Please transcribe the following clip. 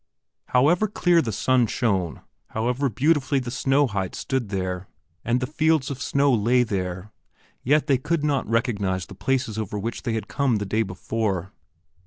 However clear the sun shone, however beautifully the snowy heights stood there, and the fields of snow lay there, yet they could not recognize the places over which they had come the day before.